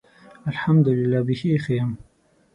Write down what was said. الحمدالله. بیخي ښۀ یم.